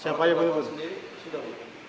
siapa yang melaporkan